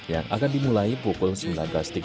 yang akan dimulai pukul tujuh belas